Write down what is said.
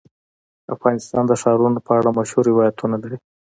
افغانستان د ښارونو په اړه مشهور روایتونه لري.